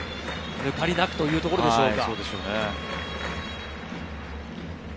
抜かりなくというところでしょうか。